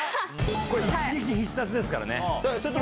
これ、一撃必殺ですからね。